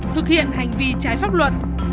thực hiện hành vi trái pháp luật